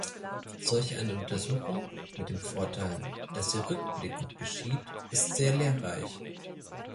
Solch eine Untersuchung, mit dem Vorteil, dass sie rückblickend geschieht, ist sehr lehrreich.